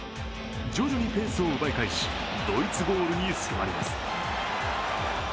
徐々にペースを奪い返しドイツゴールに迫ります。